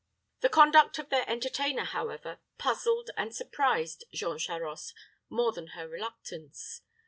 The conduct of their entertainer, however, puzzled and surprised Jean Charost more than her reluctance.